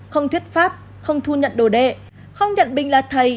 không thuyết pháp không thu nhận đồ đệ không nhận bình là thầy